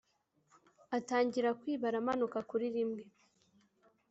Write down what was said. atangirakwibara amanuka kuri rimwe.